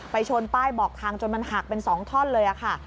ชนป้ายบอกทางจนมันหักเป็น๒ท่อนเลยค่ะ